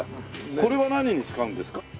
これは何に使うんですか？